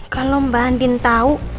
kalau mbak andin tau